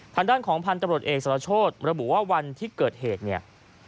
ทางด้านของพันธุ์ตำรวจเอกสรโชธระบุว่าวันที่เกิดเหตุเนี่ย